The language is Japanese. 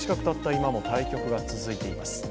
今も対局が続いています。